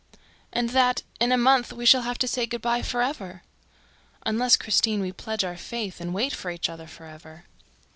"And that, in a month, we shall have to say good by for ever!" "Unless, Christine, we pledge our faith and wait for each other for ever."